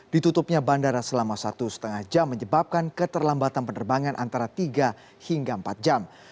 ditutupnya bandara selama satu lima jam menyebabkan keterlambatan penerbangan antara tiga hingga empat jam